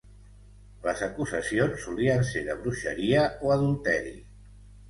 Les acusacions solien ser de bruixeria o adulteri.